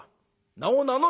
名を名乗れ！」。